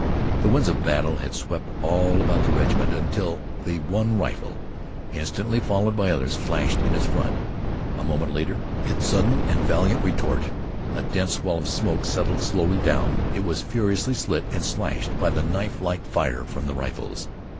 The winds of battle had swept all about the regiment, until the one rifle, instantly followed by others, flashed in its front. A moment later the regiment roared forth its sudden and valiant retort. A dense wall of smoke settled slowly down. It was furiously slit and slashed by the knifelike fire from the rifles.